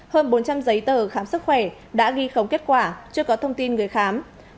hơn bốn trăm linh giấy tờ khám sức khỏe đã ghi khống kết quả chưa có thông tin người khám